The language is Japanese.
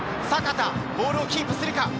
ボールをキープするか？